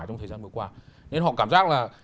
trong thời gian vừa qua nên họ cảm giác là